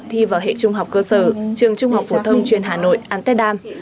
thi vào hệ trung học cơ sở trường trung học phổ thông chuyên hà nội amsterdam